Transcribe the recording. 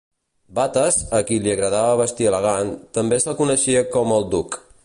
Bates, a qui li agradava vestir elegant, també se'l coneixia com "El duc".